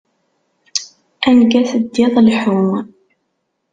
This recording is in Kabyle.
Anga teddiḍ, lḥu.